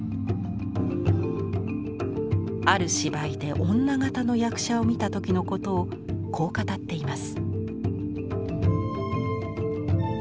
ある芝居で女形の役者を見た時のことをこう語っています。